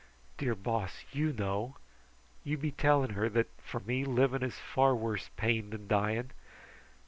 "Dear Boss, you know! You be telling her that, for me, living is far worse pain than dying.